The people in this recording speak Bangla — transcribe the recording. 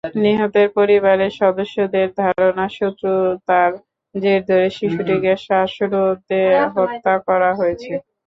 নিহতের পরিবারের সদস্যদের ধারণা, শত্রুতার জের ধরে শিশুটিকে শ্বাসরোধে হত্যা করা হয়েছে।